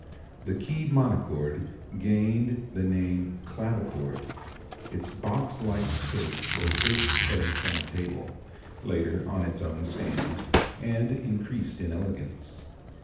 The keyed monochord gained the name clavichord. Its box like case was first placed on a table, later on its own stand, and increased in elegance.